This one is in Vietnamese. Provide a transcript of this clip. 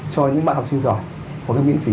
cho những bạn học sinh giỏi có cái miễn phí